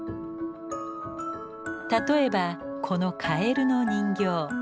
例えばこのカエルの人形。